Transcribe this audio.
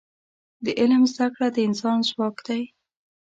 د علم زده کړه د انسان ځواک دی.